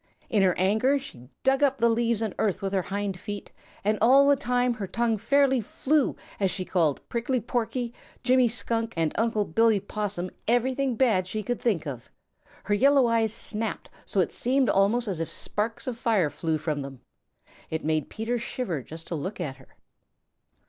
In her anger she dug up the leaves and earth with her hind feet, and all the time her tongue fairly flew as she called Prickly Porky, Jimmy Skunk, and Unc' Billy Possum everything bad she could think of. Her yellow eyes snapped so that it seemed almost as if sparks of fire flew from them. It made Peter shiver just to look at her.